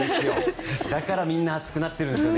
だからみんな熱くなってるんですよね。